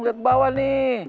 lihat bawah nih